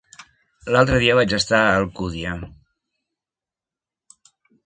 L'altre dia vaig estar a Alcúdia.